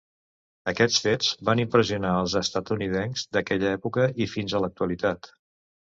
Aquests fets van impressionar als estatunidencs d'aquella època i fins a l'actualitat.